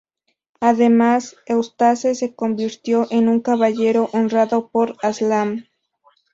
Además, Eustace se convirtió en un caballero honrado por Aslan.